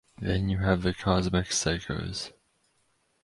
Then you have the Cosmic Psychos.